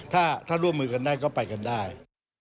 ถ้าร่วมมือกันได้ก็ไปกันได้